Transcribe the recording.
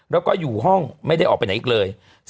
แล้วก็อยู่ห้องไม่ได้ออกไปไหนอีกเลย